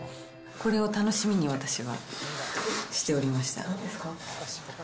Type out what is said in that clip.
これを楽しみに私はしておりました。